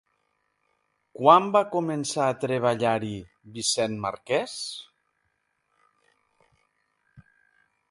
Quan va començar a treballar-hi Vicent Marqués?